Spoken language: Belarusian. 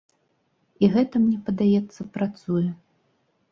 І гэта, мне падаецца, працуе.